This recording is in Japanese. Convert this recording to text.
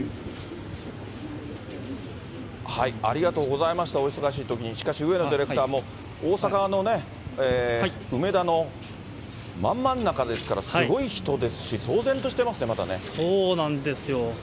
ありがとうございました、お忙しいときに、しかし、上野ディレクターも大阪のね、梅田のまんまん中ですから、すごい人ですし、騒然としてますね、そうなんですよ。